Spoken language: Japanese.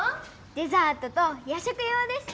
デザートと夜食用です